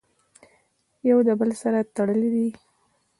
يو د بل سره تړلي دي!!.